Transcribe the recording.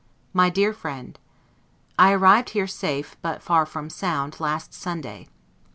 MY DEAR FRIEND: I arrived here safe, but far from sound, last Sunday.